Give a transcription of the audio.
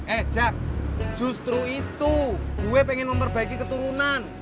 eh jack justru itu gue pengen memperbaiki keturunan